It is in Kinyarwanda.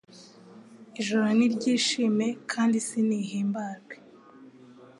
Ijuru niryishime kandi isi nihimbarwe